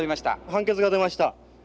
判決が出ました。